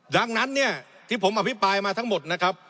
ดังนั้นเนี่ยที่ผมอภิปรายมาทั้งหมดนะครับ